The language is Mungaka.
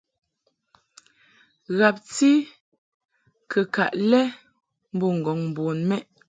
Ghabti kɨkaʼ lɛ mbo ŋgɔŋ bun mɛʼ.